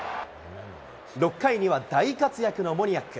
６回には大活躍のモニアック。